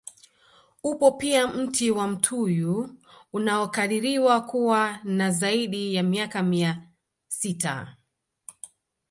Upo pia mti wa mtuyu unaokadiriwa kuwa na zaidi ya miaka mia sita